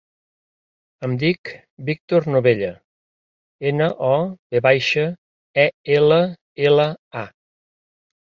Em dic Víctor Novella: ena, o, ve baixa, e, ela, ela, a.